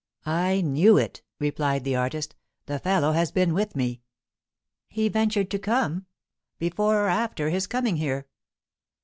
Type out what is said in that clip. "I knew it," replied the artist. "The fellow has been with me." "He ventured to come? Before or after his coming here?"